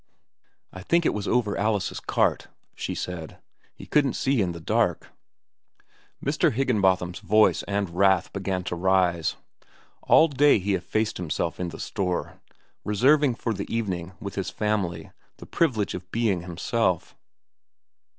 "I think it was over Alice's cart," she said. "He couldn't see it in the dark." Mr. Higginbotham's voice and wrath began to rise. All day he effaced himself in the store, reserving for the evening, with his family, the privilege of being himself.